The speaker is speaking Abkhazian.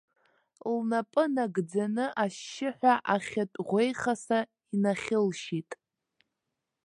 Лнапы нагӡаны ашьшьыҳәа ахьатә ӷәеихаса инахьылшьит.